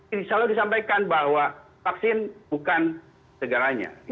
ini selalu disampaikan bahwa vaksin bukan segalanya